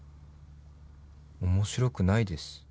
面白くないです。